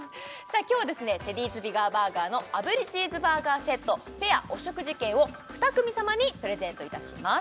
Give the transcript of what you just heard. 今日はテディーズビガーバーガーの炙りチーズバーガーセットペアお食事券を２組様にプレゼントいたします